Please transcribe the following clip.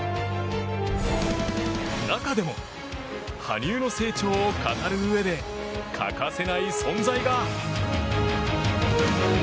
中でも羽生の成長を語るうえで欠かせない存在が。